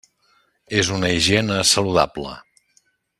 És una higiene saludable.